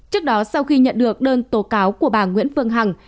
trước đó sau khi nhận được đơn tố cáo của bà nguyễn phương hằng